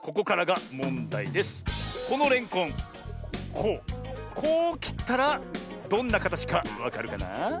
こうこうきったらどんなかたちかわかるかな？